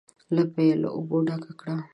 لپه یې له اوبو ډکه کړه.